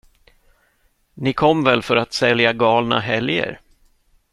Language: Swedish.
Ni kom väl för att sälja galna helger?